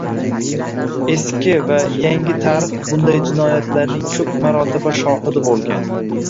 Eski va yangi tarix bunday jinoyatlarning ko‘p marotaba shohidi bo‘lgan.